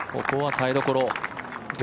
ここは耐えどころ。